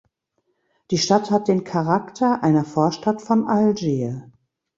Die Stadt hat den Charakter einer Vorstadt von Algier.